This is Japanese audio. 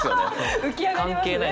関係ない。